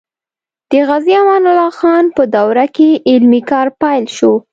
د غازي امان الله خان په دوره کې علمي کار پیل شو.